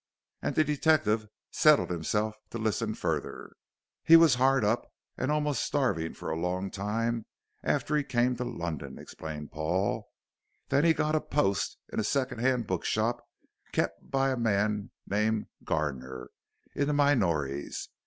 and the detective settled himself to listen further. "He was hard up and almost starving for a long time after he came to London," explained Paul, "then he got a post in a second hand bookshop kept by a man called Garner in the Minories.